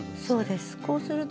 そうです。